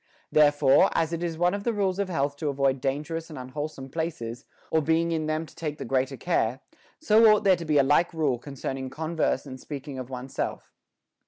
Therefore, as it is one of the rules of health to avoid dangerous and unwholesome places, or being in them to take the greater care, so ought there to be a like rule concerning converse and speaking of one's self.